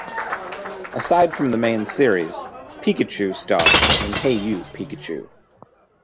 Aside from the main series, Pikachu stars in Hey You, Pikachu!